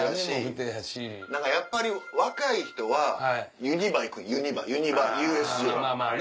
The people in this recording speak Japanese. やし何かやっぱり若い人はユニバ行くユニバユニバＵＳＪ。